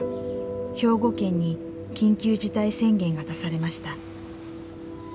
兵庫県に緊急事態宣言が出されました。